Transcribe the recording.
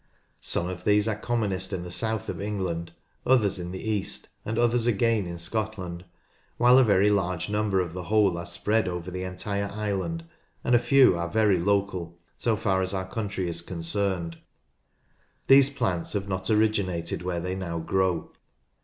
Some of these are commonest in the south of England, others in the east, and others again in Scotland, while a very large number of the whole are spread over the entire island, and a (ew are very local, so far as our country is concerned. These plants have not originated where they now o row.